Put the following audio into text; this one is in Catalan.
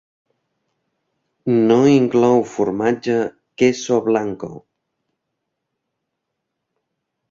No inclou formatge "queso blanco".